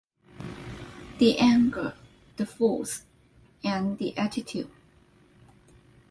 The anger, the force, and the attitude.